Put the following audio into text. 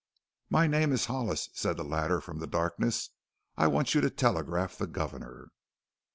"My name is Hollis," said the latter from the darkness; "I want you to telegraph the governor."